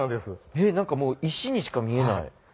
何かもう石にしか見えない。